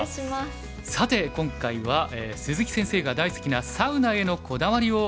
さて今回は鈴木先生が大好きなサウナへのこだわりを伺っていこうと思います。